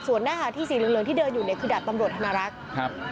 ส่วนหน้าหาที่สีเหลืองที่เดินอยู่เนี่ยคือดาบตำรวจธนรักษ์ครับ